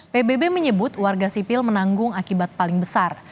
pbb menyebut warga sipil menanggung akibat paling besar